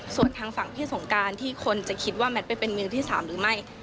ส่วนทางฝั่งพี่สงการที่คนจะคิดว่าแมทไปเป็นมือที่๓หรือไม่